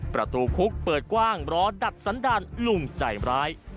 ประตูคุกเปิดกว้างรอดักสันดาลลุงใจร้าย